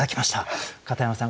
片山さん